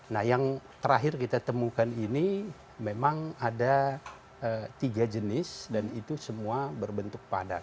nah yang terakhir kita temukan ini memang ada tiga jenis dan itu semua berbentuk padat